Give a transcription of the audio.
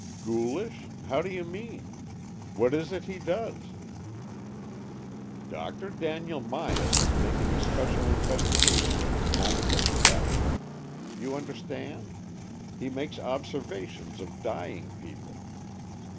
"Ghoulish.^ How do you mean.^ What is it he does? "" Dr. Daniel Myas is making a special in vestigation of the moment of death. You understand? He makes observations of dying people.